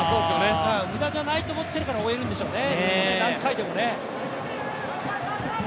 無駄じゃないと思っているから何回でも追えるんでしょうね。